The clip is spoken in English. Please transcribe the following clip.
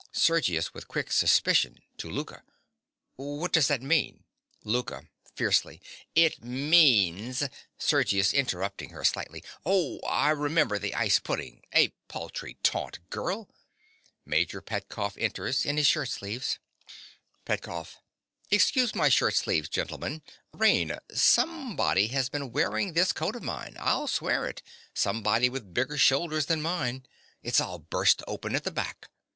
SERGIUS. (with quick suspicion—to Louka). What does that mean? LOUKA. (fiercely). It means— SERGIUS. (interrupting her slightingly). Oh, I remember, the ice pudding. A paltry taunt, girl. (Major Petkoff enters, in his shirtsleeves.) PETKOFF. Excuse my shirtsleeves, gentlemen. Raina: somebody has been wearing that coat of mine: I'll swear it—somebody with bigger shoulders than mine. It's all burst open at the back.